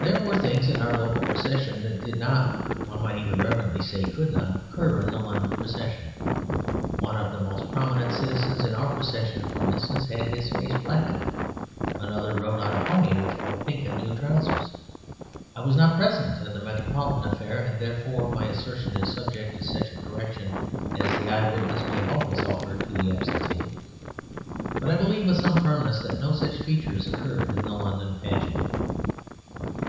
There were things in our local procession that did not (one might even reverently say, could not) occur in the London procession. One of the most prominent citizens in our procession (for instance) had his face blacked. Another rode on a pony which wore pink and blue trousers. I was not present at the Metropolitan affair, and therefore my assertion is subject to such correction as the eyewitness may always offer to the absentee. But I believe with some firmness that no such features occurred in the London pageant.